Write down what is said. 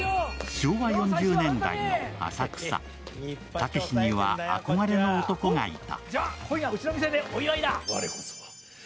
昭和４０年代の浅草、たけしには憧れの男がいた。